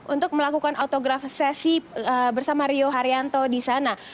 untuk melakukan autograf sesi bersama rio haryanto di sana